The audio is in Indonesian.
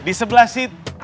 di sebelah situ